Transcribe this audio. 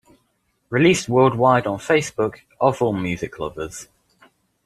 Released worldwide on Facebook of all music lovers.